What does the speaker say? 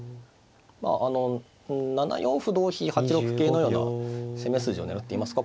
７四歩同飛８六桂のような攻め筋を狙っていますか